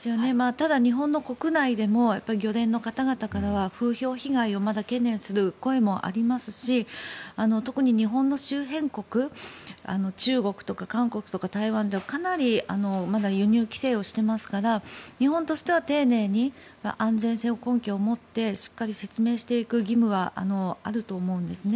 ただ、日本の国内でも漁連の方々からは風評被害をまだ懸念する声もありますし特に日本の周辺国中国とか韓国とか台湾とかかなり輸入規制をしていますから日本としては丁寧に、安全性を根拠を持ってしっかり説明していく義務はあると思うんですね。